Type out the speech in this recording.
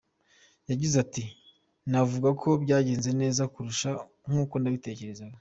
Yagize ati “Navuga ko byagenze neza kurusha n’uko nabitekerezaga.